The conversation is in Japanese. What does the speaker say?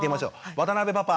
渡邊パパ！